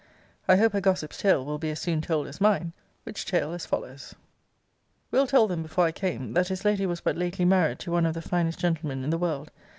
I hope her gossip's tale will be as soon told as mine which take as follows: Will. told them, before I came, 'That his lady was but lately married to one of the finest gentlemen in the world.